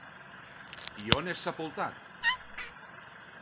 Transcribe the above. I on és sepultat?